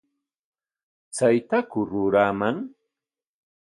¿Chaytaku ruraaman?